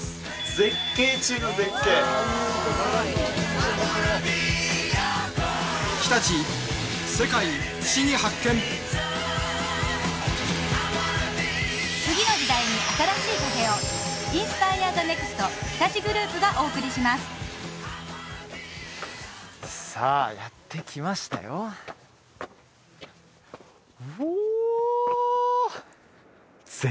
絶景中の絶景さあやって来ましたようお！